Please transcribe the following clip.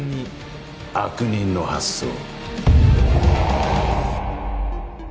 悪人の発想。